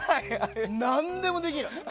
何でもできる。